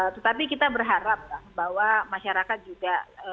tetapi kita berharap bahwa masyarakat juga